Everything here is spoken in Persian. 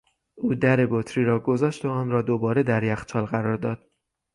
او در بطری را گذاشت و آن را دوباره در یخچال قرار داد.